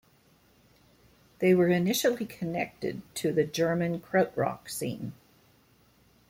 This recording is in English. They were initially connected to the German krautrock scene.